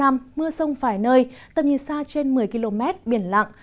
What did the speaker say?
mưa sông vài nơi tầm nhìn xa trên một mươi km biển lặng